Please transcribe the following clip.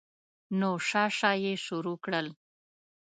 نو شه شه یې شروع کړل.